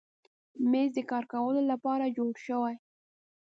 مېز د کار کولو لپاره جوړ شوی.